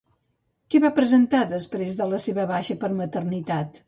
Què va presentar després de la seva baixa per maternitat?